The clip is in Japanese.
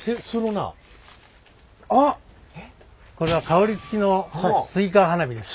これは香りつきのスイカ花火です。